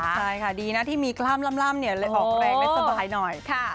ใช่ค่ะดีนะที่มีกล้ามล่ำเลยออกแรงได้สบายหน่อย